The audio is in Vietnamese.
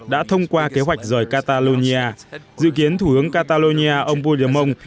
đã thông qua kế hoạch rời catalonia dự kiến thủ hướng catalonia ông puigdemont